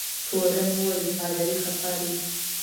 تورن وویل پادري خفه دی.